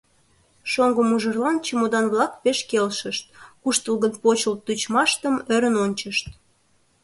Шоҥго мужырлан чемодан-влак пеш келшышт, куштылгын почылт-тӱчмыштым ӧрын ончышт.